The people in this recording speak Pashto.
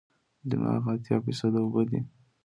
دماغ اتیا فیصده اوبه دي.